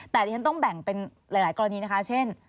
แต่ดิฉันต้องแบ่งเป็นหลายกรณีนะคะเช่น